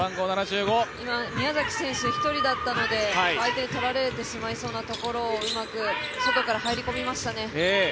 今、宮崎選手、１人だったので相手にとられてしまいそうなところをうまく外から入り込みましたね。